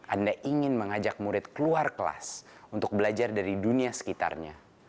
anda ingin mengajak murid keluar kelas untuk belajar dari dunia sekitarnya